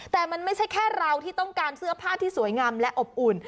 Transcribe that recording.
แต่มันไม่ใช่แค่เราที่ต้องการเสื้อผ้าที่สวยงามและอบอุ่น